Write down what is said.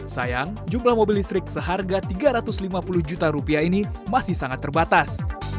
sayang jumlah mobil listrik seharga tiga ratus lima puluh juta rupiah ini masih sangat terbatas